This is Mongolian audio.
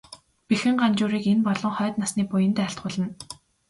Бэхэн Ганжуурыг энэ болон хойд насны буянд айлтгуулна.